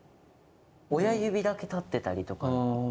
親指だけ立ってたりとか。